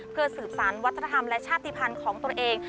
เพื่อสืบสารวัฒนธรรมและชาติภัณฑ์ของตัวเอง